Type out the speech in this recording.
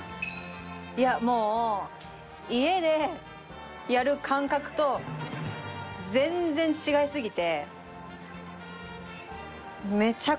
いやもう家でやる感覚と全然違い過ぎて。